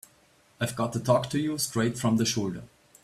I've got to talk to you straight from the shoulder.